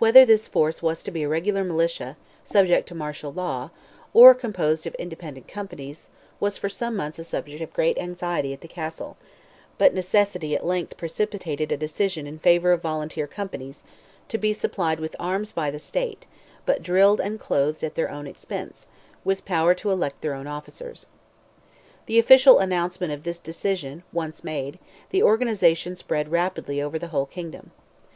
Whether this force was to be a regular militia, subject to martial law, or composed of independent companies, was for some months a subject of great anxiety at the castle; but necessity at length precipitated a decision in favour of volunteer companies, to be supplied with arms by the state, but drilled and clothed at their own expense, with power to elect their own officers. The official announcement of this decision once made, the organization spread rapidly over the whole kingdom.